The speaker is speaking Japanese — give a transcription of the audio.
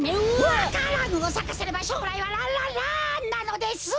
わか蘭をさかせればしょうらいはランランランなのです！